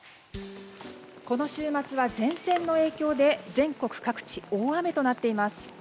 この週末は前線の影響で全国各地、大雨となっています。